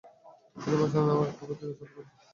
তিনি বাসনা নামে আরেকটি পত্রিকা চালু করেন।